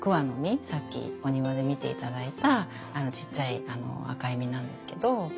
さっきお庭で見て頂いたちっちゃい赤い実なんですけど。